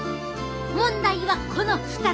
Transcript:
問題はこの２つや。